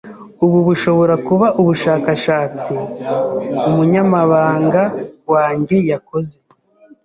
Ubu bushobora kuba ubushakashatsi umunyamabanga wanjye yakoze.